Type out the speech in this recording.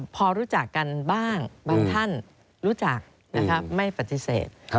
พอรู้จักกันบ้างบางท่านรู้จักไม่ปฏิเสธ